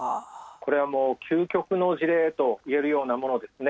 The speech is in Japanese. これはもう究極の事例と言えるようなものですね。